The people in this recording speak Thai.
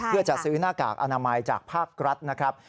เพื่อจะซื้อหน้ากากอนามัยจากภาครัฐนะครับ